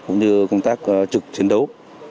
cũng như công tác trực chiến đấu